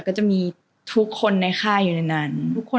ก็จะมีทุกคนในค่ายอยู่ในนั้นทุกคน